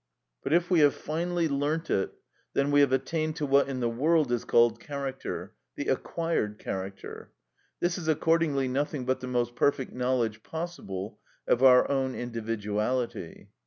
But if we have finally learnt it, then we have attained to what in the world is called character, the acquired character. This is accordingly nothing but the most perfect knowledge possible of our own individuality.